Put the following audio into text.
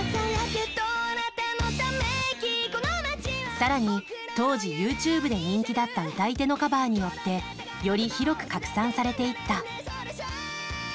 さらに、当時ＹｏｕＴｕｂｅで人気だった歌い手のカバーによってより広く拡散されていった。